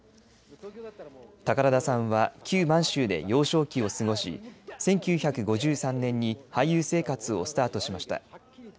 宝田さんは旧満州で幼少期を過ごし１９５３年に俳優生活をスタートしました。